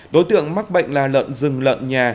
đối tượng mắc bệnh là lợn rừng lợn nhà